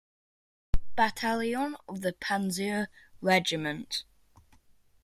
Battalion of the Panzer Regiment.